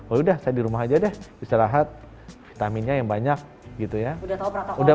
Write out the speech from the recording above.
oh udah saya di rumah aja deh bisa rahat vitaminnya yang banyak gitu ya